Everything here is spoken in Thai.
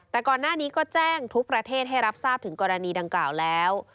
แต่ก่อนหน้านี้ก็แจ้งทุกประเทศให้รับทราบถึงกรณีดังกล่าวแล้ว